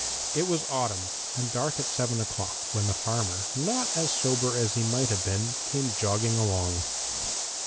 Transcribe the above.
It was autumn, and dark at seven o'clock, when the farmer, not as sober as he might have been, came jogging along.